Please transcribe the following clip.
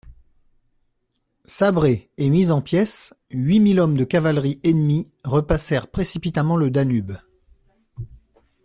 Sabrés et mis en pièces, huit mille hommes de cavalerie ennemie repassèrent précipitamment le Danube.